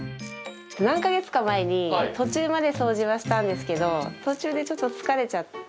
何か月か前に途中まで掃除はしたんですけど、途中でちょっと疲れちゃって。